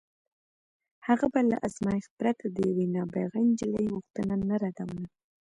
هغه به له ازمایښت پرته د یوې نابغه نجلۍ غوښتنه نه ردوله